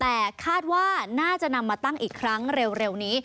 แต่คาดว่าน่าจะนำมาตั้งอีกครั้งเร็วนี้